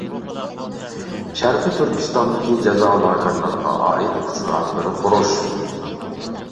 شەرقىي تۈركىستاندىكى جازا لاگېرلىرىغا ئائىت ئۇچۇر ئامبىرى قۇرۇش.